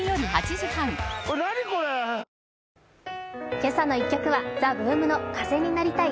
「けさの１曲」はＴＨＥＢＯＯＭの「風になりたい」。